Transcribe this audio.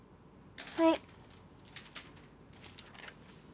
はい。